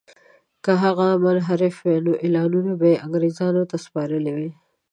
که هغه منحرف وای نو اعلانونه به یې انګرېزانو ته سپارلي وای.